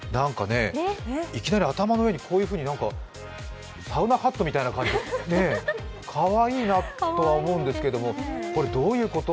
いきなり頭の上に、こういうふうにサウナハットみたいな感じでかわいいなとは思うんですけどこれどういうこと？